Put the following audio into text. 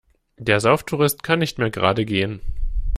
Der Sauftourist kann nicht mehr gerade gehen.